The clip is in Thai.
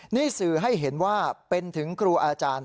นี่สื่อให้เห็นว่าเป็นถึงครูอาจารย์